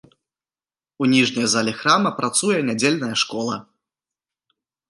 У ніжняй зале храма працуе нядзельная школа.